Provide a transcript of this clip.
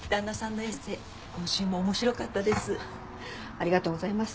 ありがとうございます。